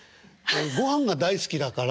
ごはんが大好きだから。